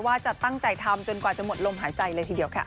ว่าจะตั้งใจทำจนกว่าจะหมดลมหายใจเลยทีเดียวค่ะ